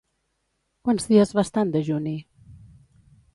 Quants dies va estar en dejuni?